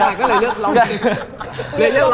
แล้วไหนก็เลยเลือกร้องเพลง